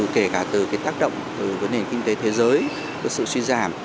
kể cả từ cái tác động từ vấn đề kinh tế thế giới từ sự suy giảm